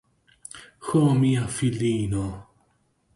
Ho, mia filino!